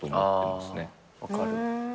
分かる。